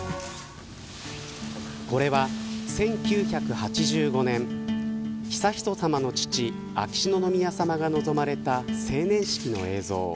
これは、１９８５年悠仁さまの父、秋篠宮さまが臨まれた成年式の映像。